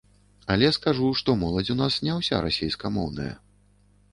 Але скажу, што моладзь у нас не ўся расейскамоўная.